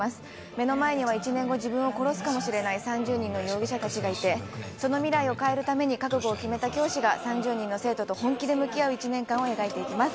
目の前には１年後自分を殺すかもしれない３０人の容疑者たちがいて、その未来を変えるために覚悟を決めた教師が３０人の生徒と本気で向き合う１年間を描いていきます。